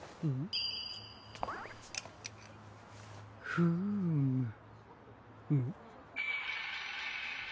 フームん？